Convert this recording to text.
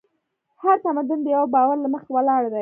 هر تمدن د یوه باور له مخې ولاړ دی.